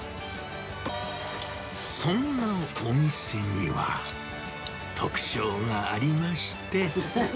そんなお店には、特徴がありまして。